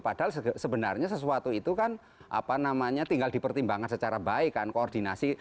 padahal sebenarnya sesuatu itu kan apa namanya tinggal dipertimbangkan secara baik kan koordinasi